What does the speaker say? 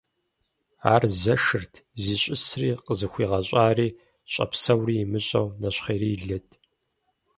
Ар зэшырт, зищӀысри, къызыхуигъэщӀари, щӀэпсэури имыщӀэу, нэщхъеирилэт.